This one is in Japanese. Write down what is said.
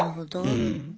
うん。